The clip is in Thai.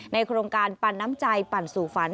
โครงการปั่นน้ำใจปั่นสู่ฝัน